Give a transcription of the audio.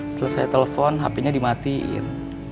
setelah saya telepon hapenya dimatiin